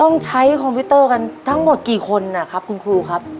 ต้องใช้คอมพิวเตอร์กันทั้งหมดกี่คนนะครับคุณครูครับ